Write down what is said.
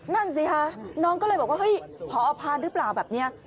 นั่นสิคะน้องก็เลยบอกว่าเฮ้ยพอพานหรือเปล่าแบบนี้